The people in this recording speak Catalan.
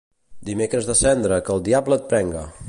Dimecres de Cendra, que el diable et prenga!